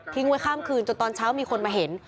ไว้ข้ามคืนจนตอนเช้ามีคนมาเห็น